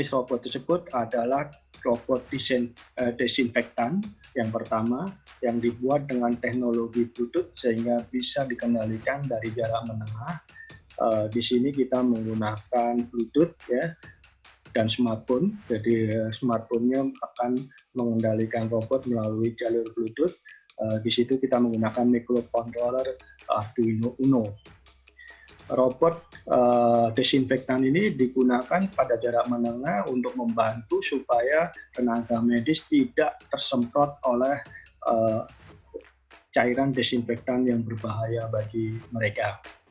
robot disinfectant ini digunakan pada jarak menengah untuk membantu supaya tenaga medis tidak tersemprot oleh cairan disinfectant yang berbahaya bagi mereka